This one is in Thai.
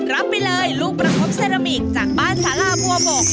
รับไปเลยลูกประคบเซรามิกจากบ้านสาลาบัวบก